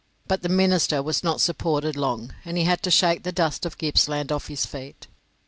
But the minister was not supported long, and he had to shake the dust of Gippsland off his feet.